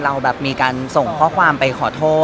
เราแบบมีการส่งข้อความไปขอโทษ